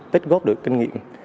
tích góp được kinh nghiệm